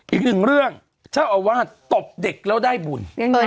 อีกหนึ่งเรื่องเจ้าอาวาสตบเด็กแล้วได้บุญ